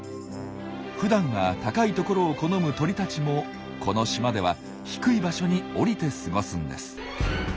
ふだんは高い所を好む鳥たちもこの島では低い場所に降りて過ごすんです。